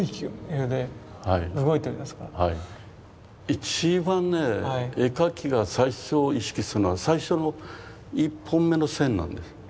一番ね絵描きが最初意識するのは最初の一本目の線なんです。